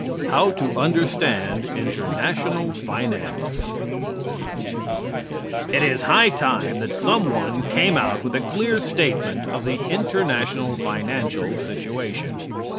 XXXI HOW TO UNDERSTAND INTERNATIONAL FINANCE It is high time that someone came out with a clear statement of the international financial situation.